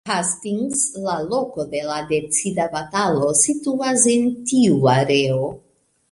Hastings, la loko de la decida batalo situas en tiu areo.